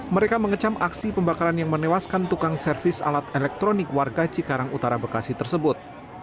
mereka mengecam aksi pembakaran yang menewaskan tukang servis alat elektronik warga cikarang utara bekasi tersebut